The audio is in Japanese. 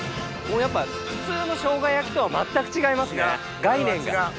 やっぱ普通のショウガ焼きとは全く違いますね概念が。